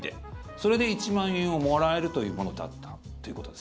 それで１万円をもらえるというものだったということです。